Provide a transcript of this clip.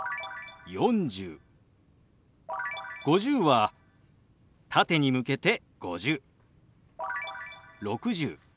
「５０」は縦に向けて「５０」。